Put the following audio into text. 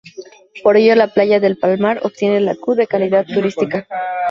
Por ello la Playa de El Palmar obtiene la "Q" de calidad Turística.